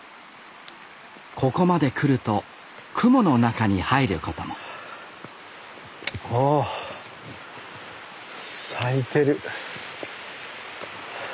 ここまで来ると雲の中に入ることもおお咲いてる。